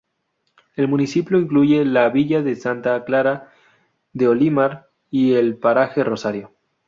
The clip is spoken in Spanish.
El municipio incluye la villa de Santa Clara de Olimar y el paraje Rosario.